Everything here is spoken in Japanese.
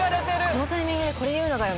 このタイミングで言うのかよ！